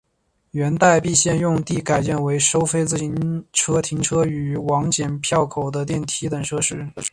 原待避线用地改建为收费自行车停车场与往剪票口层的电梯等设施。